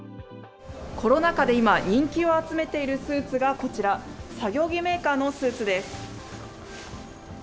コロナ禍で今、人気を集めているスーツがこちら、作業着メーカーのスーツです。